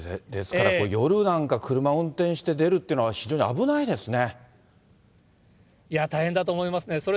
ですから夜なんか車運転して出るというのは、いや、大変だと思いますね。